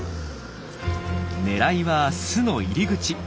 狙いは巣の入り口。